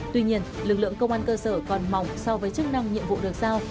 tuy nhiên lực lượng công an cơ sở còn mỏng so với chức năng nhiệm vụ được giao